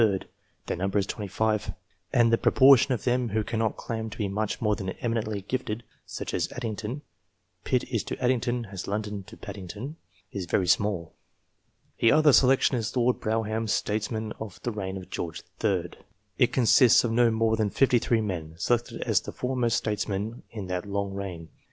; their number is 25, and the proportion of them who cannot claim to be much more than " emi nently " gifted, such as Addington, "Pitt is to Addington as London to Paddington," is very small. The other selection is Lord Brougham's H2 100 STATESMEN " Statesmen of the Reign of George III." It consists of no more than 53 men, selected as the foremost statesmen in that long reign.